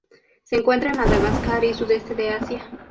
Se encuentra en Madagascar y Sudeste de Asia.